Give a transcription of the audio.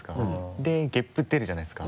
でゲップ出るじゃないですか。